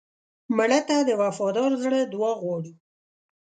مړه ته د وفادار زړه دعا غواړو